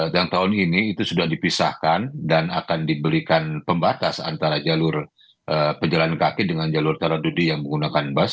yang tahun ini itu sudah dipisahkan dan akan diberikan pembatas antara jalur pejalan kaki dengan jalur taradudi yang menggunakan bus